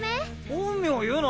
「本名言うな！」